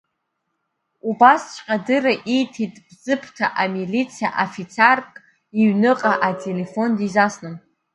Убасҵәҟьа адырра ииҭеит Бзыԥҭа амилициа афицарк, иҩныҟа ателефон дизасны.